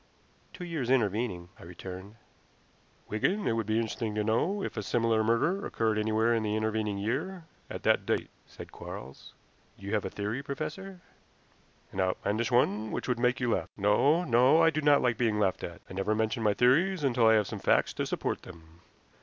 "Two years intervening," I returned. "Wigan, it would be interesting to know if a similar murder occurred anywhere in the intervening year at that date," said Quarles. "You have a theory, professor?" "An outlandish one which would make you laugh. No, no; I do not like being laughed at. I never mention my theories until I have some facts to support them.